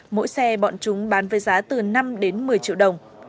mỗi xe bọn chúng bán với giá từ năm đến một mươi triệu đồng